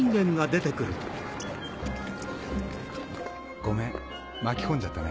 ごめん巻き込んじゃったね。